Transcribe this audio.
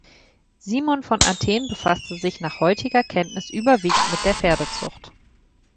Simon von Athen befasste sich nach heutiger Kenntnis überwiegend mit der Pferdezucht.